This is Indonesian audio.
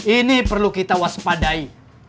ini perlu kita waspadai